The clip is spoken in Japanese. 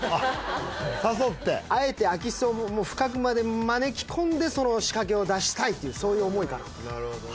あえて空き巣を深くまで招き込んでその仕掛けを出したいというそういう思いかなとなるほどね